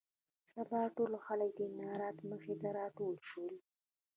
سبا ټول خلک د امارت مخې ته راټول شول.